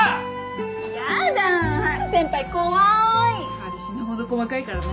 春死ぬほど細かいからね。